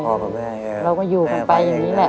เราก็อยู่กันไปอย่างนี้แม่